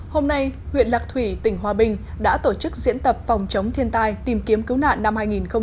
hôm nay huyện lạc thủy tỉnh hòa bình đã tổ chức diễn tập phòng chống thiên tai tìm kiếm cứu nạn năm hai nghìn một mươi chín